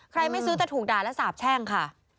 ไม่ซื้อแต่ถูกด่าและสาบแช่งค่ะ